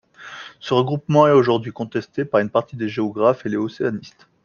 Ce regroupement est aujourd'hui contesté par une partie des géographes et les océanistes.